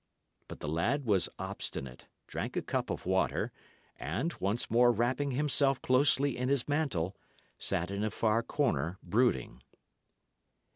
But the lad was obstinate, drank a cup of water, and, once more wrapping himself closely in his mantle, sat in a far corner, brooding.